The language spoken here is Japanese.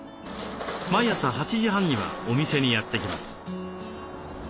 毎朝８時半にはお店にやって来ます。